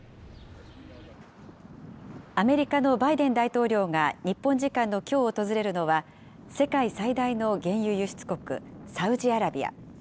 アメリカのバイデン大統領が日本時間のきょう訪れるのは、世界最大の原油輸出国、サウジアラビア。